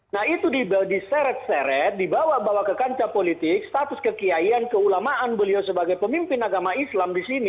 nah itu diseret seret dibawa bawa ke kancah politik status kekiaian keulamaan beliau sebagai pemimpin agama islam di sini